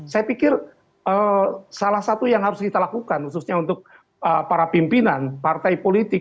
saya pikir salah satu yang harus kita lakukan khususnya untuk para pimpinan partai politik